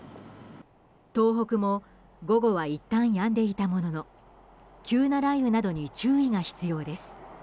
東北も午後はいったん、やんでいたものの急な雷雨などに注意が必要です。